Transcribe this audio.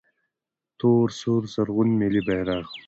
🇦🇫 تور سور زرغون ملي بیرغ